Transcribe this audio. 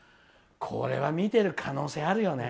これは見てる可能性あるよね。